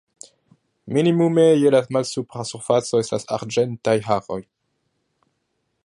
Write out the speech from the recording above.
Minimume je la malsupra surfaco estas arĝentaj haroj.